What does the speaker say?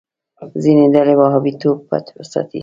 ځینې ډلې وهابيتوب پټ وساتي.